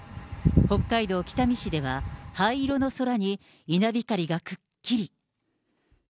北海道北見市では、灰色の空に稲光がくっきり。